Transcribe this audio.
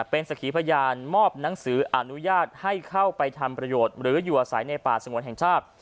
เป็นสักขีพยานมอบหนังสืออนุญาตให้เข้าไปทำประโยชน์หรืออยู่อาศัยในป่าสงวนแห่งชาติ